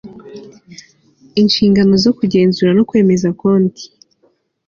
inshingano zo kugenzura no kwemeza konti